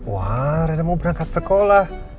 wah reda mau berangkat sekolah